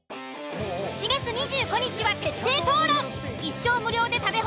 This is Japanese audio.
７月２５日は徹底討論。